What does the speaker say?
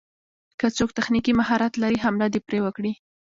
که څوک تخنيکي مهارت لري حمله دې پرې وکړي.